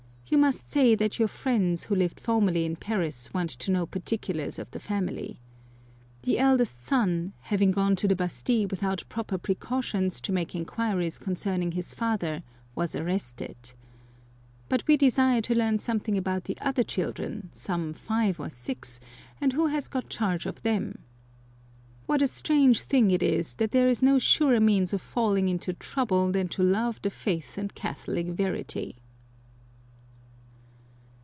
You must say that your friends, who lived formerly in Paris, want to know particulars of the family. The eldest son, having gone to the Bastille without proper pre cautions, to make inquiries concerning his father, was arrested. But we desire to learn something about the other children, some five or six, and who has got charge of them. ,.. What a strange thing it is, that there is no surer means of falling tion trouble than to love the faith and Catholic verity."